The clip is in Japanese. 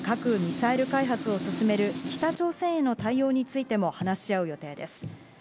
また、核ミサイル開発を進める北朝鮮への対応についても話し合う予定です。